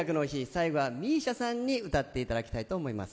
最後はＭＩＳＩＡさんに歌っていただきたいと思います。